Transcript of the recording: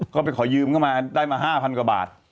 ก็ไปขอยืมเข้ามาได้มา๕๐๐กว่าบาท